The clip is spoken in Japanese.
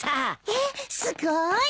えっすごーい。